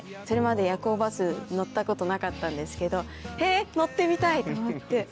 それまで夜行バス乗ったことなかったんですけど「へぇ！乗ってみたい！」と思って。